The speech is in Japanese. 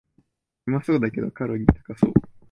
うまそうだけどカロリー高そう